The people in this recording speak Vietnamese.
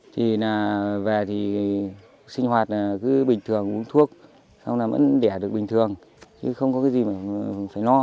thì là về thì sinh hoạt là cứ bình thường uống thuốc xong là vẫn đẻ được bình thường chứ không có cái gì mà phải no